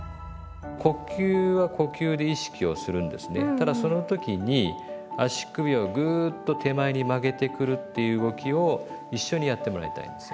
ただその時に足首をグーッと手前に曲げてくるっていう動きを一緒にやってもらいたいんですよ。